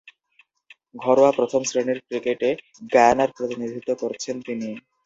ঘরোয়া প্রথম-শ্রেণীর ক্রিকেটে গায়ানার প্রতিনিধিত্ব করছেন তিনি।